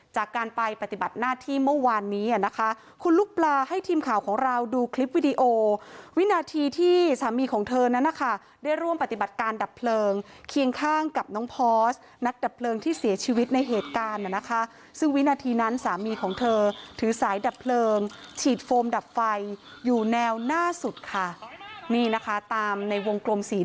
จากการไปปฏิบัติหน้าที่เมื่อวานนี้นะคะคุณลูกปลาให้ทีมข่าวของเราดูคลิปวิดีโอวินาทีที่สามีของเธอนั้นนะคะได้ร่วมปฏิบัติการดับเพลิงเคียงข้างกับน้องพอสนักดับเพลิงที่เสียชีวิตในเหตุการณ์นะคะซึ่งวินาทีนั้นสามีของเธอถือสายดับเพลิงฉีดโฟมดับไฟอยู่แนวหน้าสุดค่ะนี่นะคะตามในวงกลมสี